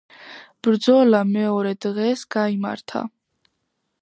ბრძოლა მეორე დღს გაიმართა.